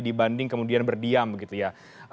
dibanding kemudian berdiam begitu ya